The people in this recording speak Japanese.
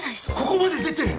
ここまで出てる！